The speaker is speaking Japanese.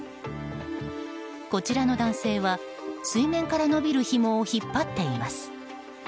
こちらの男性は、水面から延びるひもを引っ張っています。